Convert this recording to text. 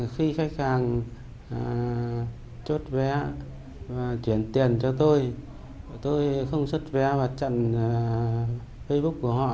khi khách hàng chốt vé và chuyển tiền cho tôi tôi không xuất vé và chặn facebook của họ